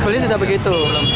polis sudah begitu